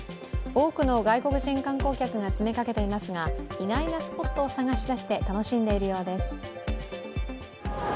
多くの外国人観光客が詰めかけていますが、意外なスポットを探し出して楽しんでいるようです。